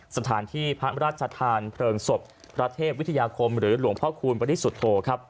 สถานที่พระราชทานเพลิงศพพระเทพวิทยาคมหรือหลวงพ่อคูณบริสุทธโธครับ